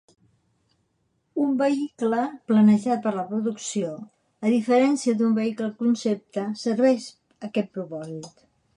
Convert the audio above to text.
Un vehicle "planejat per la producció", a diferència d'un vehicle concepte, serveix aquest propòsit.